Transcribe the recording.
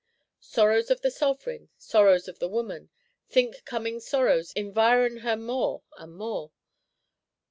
Sorrows of the Sovereign, sorrows of the woman, think coming sorrows environ her more and more.